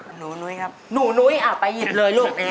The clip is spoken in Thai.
หนูนุ้ยครับครับภาพหนูนุ้ยอ้าวไปหยิดเลยลูก